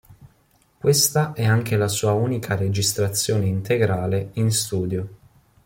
Questa è anche la sua unica registrazione integrale in studio.